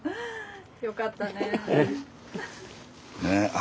よかったねえ。